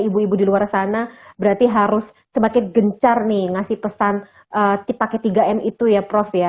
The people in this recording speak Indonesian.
ibu ibu di luar sana berarti harus semakin gencar nih ngasih pesan pakai tiga m itu ya prof ya